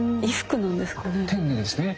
天衣ですね。